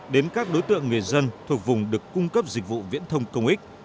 đến các đối tượng người dân thuộc vùng được cung cấp dịch vụ viễn thông công ích